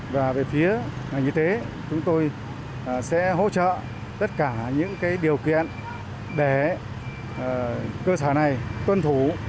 và về phía như thế chúng tôi sẽ hỗ trợ tất cả những điều kiện để cơ sở này tuân thủ